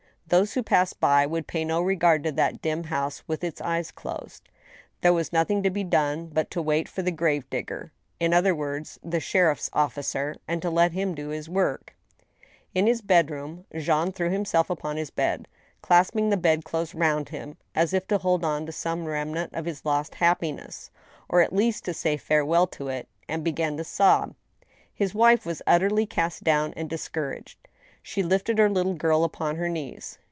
Those who passed by would pay no regard to that dim house with its eyes closed. There was nothing to be done but to wait for the grave digger, in other words, the sheriff's officer, and to let him do his woric. In his bedroom, Jean threw himself upon his bed, clasping the bedclothes round him. as if to hold on to some remnant of his lost happiness, or at least to say farewell to it, and began to sob. His wife was utterly cast down and discouraged ; she lifted her little girl upon her knees.